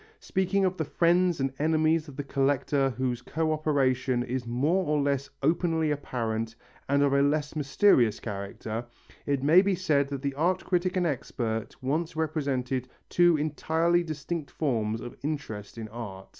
Speaking of the friends and enemies of the collector whose co operation is more or less openly apparent and of a less mysterious character, it may be said that the art critic and expert once represented two entirely distinct forms of interest in art.